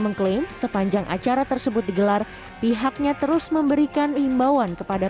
mengklaim sepanjang acara tersebut digelar pihaknya terus memberikan imbauan kepada